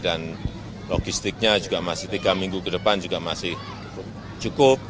dan logistiknya juga masih tiga minggu ke depan juga masih cukup